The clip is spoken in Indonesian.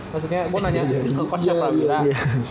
maksudnya gue nanya ke coach perawiran